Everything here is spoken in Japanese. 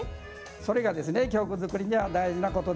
それが狂句作りには大事なことですね。